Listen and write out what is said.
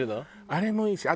あれもいいし。